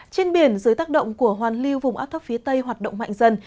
trên biển dưới tác động của hoàn lưu vùng áp thấp phía tây hoạt động mạnh dần